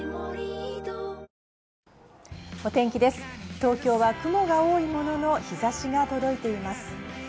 東京は雲が多いものの日差しが届いています。